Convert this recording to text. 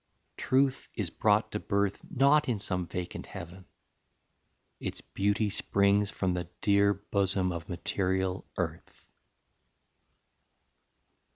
Truth is brought to birth Not in some vacant heaven: its beauty springs From the dear bosom of material earth.